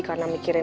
karena mikirin gua